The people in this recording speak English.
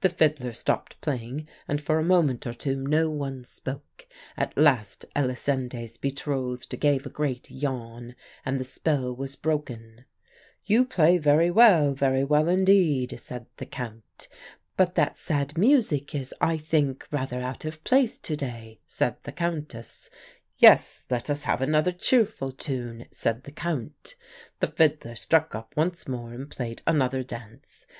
"The fiddler stopped playing, and for a moment or two no one spoke. At last Elisinde's betrothed gave a great yawn, and the spell was broken. "'You play very well very well, indeed,' said the Count. "'But that sad music is, I think, rather out of place to day,' said the Countess. "'Yes, let us have another cheerful tune,' said the Count. "The fiddler struck up once more and played another dance.